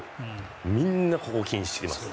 みんなここを気にしています。